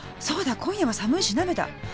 そうだ今夜は寒いし鍋だ。